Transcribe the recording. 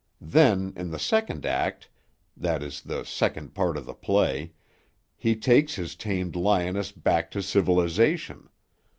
Then, in the second act, that is the second part of the play, he takes his tamed lioness back to civilization.